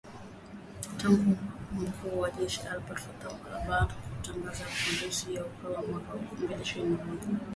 Tangu mkuu wa jeshi Abdel Fattah al-Burhan kuongoza mapinduzi ya Oktoba mwaka wa elfu mbili ishirini na moja.